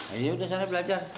ayo udah sana belajar